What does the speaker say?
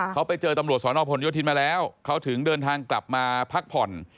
เขาไปเจอตำรวจสอนอพลโยธินมาแล้วเขาถึงเดินทางกลับมาพักผ่อน